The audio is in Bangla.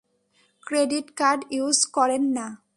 ক্রেডিট কার্ড ইউজ করেন না?